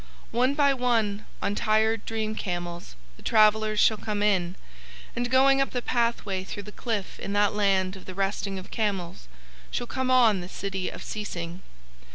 One by one, on tired dream camels, the travellers shall come in, and going up the pathway through the cliff in that land of The Resting of Camels shall come on The City of Ceasing.